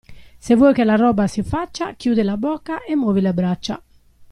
Se vuoi che la roba si faccia, chiudi la bocca e muovi le braccia.